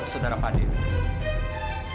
kami datang kemari untuk mencari edo